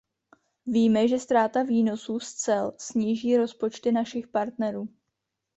Víme, že ztráta výnosů z cel sníží rozpočty našich partnerů.